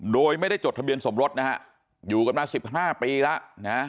โดยไม่ได้จดทะเบียนสมรสนะฮะอยู่กันมาสิบห้าปีแล้วนะฮะ